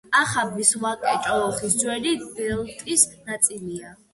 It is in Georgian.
კახაბრის ვაკე ჭოროხის ძველი დელტის ნაწილია.